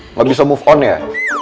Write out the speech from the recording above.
nggak bisa move on ya